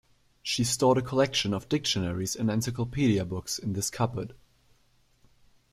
She stored a collection of dictionaries and encyclopedia books in this cupboard.